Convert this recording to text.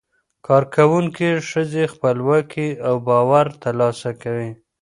کارکوونکې ښځې خپلواکي او باور ترلاسه کوي.